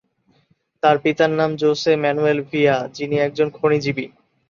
তার পিতার নাম জোসে ম্যানুয়েল ভিয়া, যিনি একজন খনিজীবী।